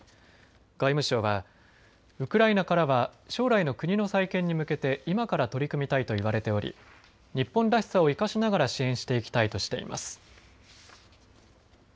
外務省はウクライナからは将来の国の再建に向けて今から取り組みたいと言われており日本らしさを生かしながら支援していきたいとしています。